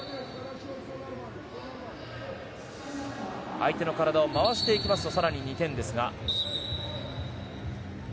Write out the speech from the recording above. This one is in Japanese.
相手の体を回していきますと更に２点ですが。